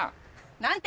何て？